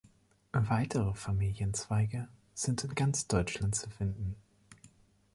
Weitere Familienzweige sind in ganz Deutschland zu finden.